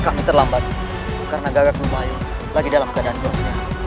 kami terlambat karena gagak lumayan lagi dalam keadaan berangsa